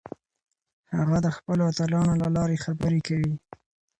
هغه د خپلو اتلانو له لارې خبرې کوي.